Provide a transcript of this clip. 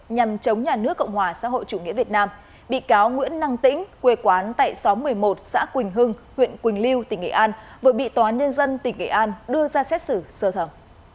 nhằm chống nhà nước cộng hòa xã hội chủ nghĩa việt nam bị cáo nguyễn năng tĩnh quê quán tại xóm một mươi một xã quỳnh hưng huyện quỳnh lưu tỉnh nghệ an vừa bị tòa án nhân dân tỉnh nghệ an đưa ra xét xử sơ thẩm